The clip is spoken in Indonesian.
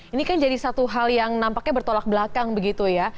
ini kan jadi satu hal yang nampaknya bertolak belakang begitu ya